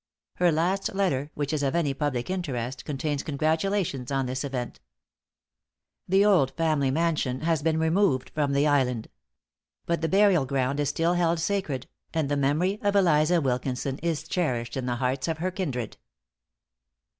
Her last letter which is of any public interest, contains congratulations on this event. The old family mansion has been removed from the island. But the burial ground is still held sacred; and the memory of Eliza Wilkinson is cherished in the hearts of her kindred.